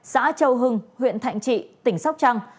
xã châu hưng huyện thạnh trị tỉnh sóc trăng